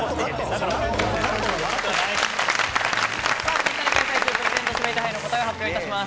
ツイッターで開催中、プレゼント指名手配の答えを発表いたします。